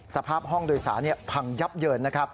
สภาพห้องโดยสารพังยับเยิน